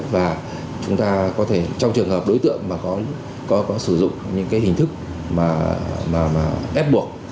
và chúng ta có thể trong trường hợp đối tượng mà có sử dụng những cái hình thức mà ép buộc